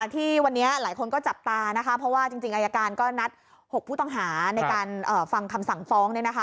ที่วันนี้หลายคนก็จับตานะคะเพราะว่าจริงอายการก็นัด๖ผู้ต้องหาในการฟังคำสั่งฟ้อง